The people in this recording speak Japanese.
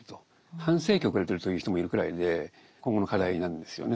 半世紀遅れてると言う人もいるくらいで今後の課題なんですよね